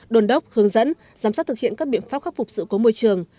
đồn đốc hướng dẫn giám sát thực hiện các biện pháp khắc phục sự cố môi trường